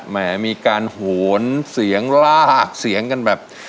แหมมีการโหนเสียงลากเสียงกันแบบ